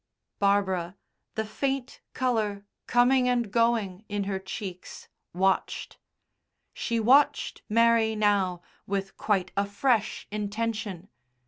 Barbara, the faint colour coming and going in her cheeks, watched. She watched Mary now with quite a fresh intention.